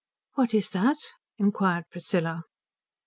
'" "What is that?" inquired Priscilla.